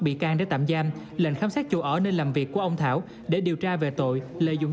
bị can để tạm giam lệnh khám xét chỗ ở nơi làm việc của ông thảo để điều tra về tội lợi dụng